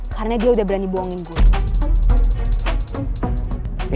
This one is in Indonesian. karena dia udah berani boongin gue